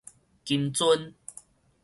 金尊